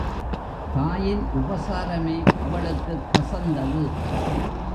தாயின் உபசாரமே அவளுக்குக் கசந்தது.